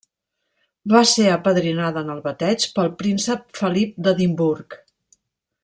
Va ser apadrinada en el bateig pel príncep Felip d'Edimburg.